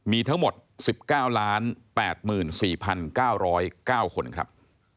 มีทั้งหมด๑๙๘๔๙๐๙คนครับ